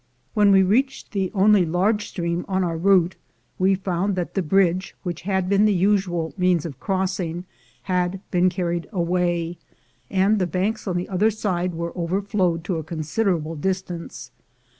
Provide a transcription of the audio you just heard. When we reached the only large stream on our route, we found that the bridge, which had been the usual means of crossing, had been carried away, and the banks on either side were overflowed to a con siderable distance.